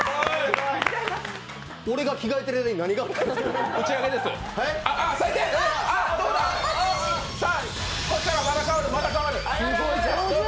俺が着替えてる間に何があったん？